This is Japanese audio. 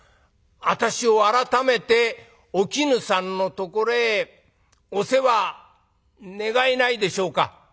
私を改めてお絹さんのところへお世話願えないでしょうか？」。